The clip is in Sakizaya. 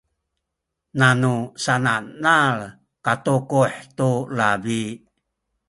nanu sananal katukuh tu labi